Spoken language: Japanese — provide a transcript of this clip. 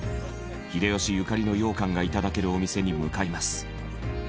秀吉ゆかりの羊羹がいただけるお店に向かいます。